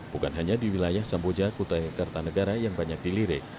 bukan hanya di wilayah samboja kutai kartanegara yang banyak dilirik